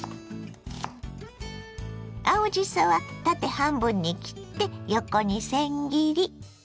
青じそは縦半分に切って横にせん切り。